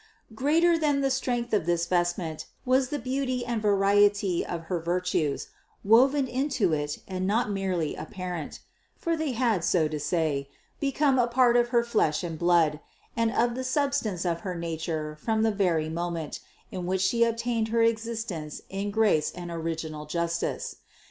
Greater than the strength of this vestment was the beauty and variety of her virtues, woven into it and not merely apparent; for they had, so to say, become a part of her flesh and blood, and of the substance of her nature from the very moment, in which She obtained her existence in grace and original justice.